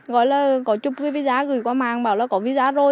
gọi là có chụp cái visa gửi qua mạng bảo là có visa rồi